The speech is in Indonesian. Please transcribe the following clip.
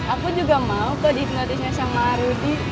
aku juga mau kok dihipnotisnya sama rudi